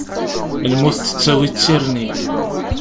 Lmut tettawi d tirni.